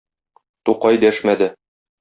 Тукай дәшмәде.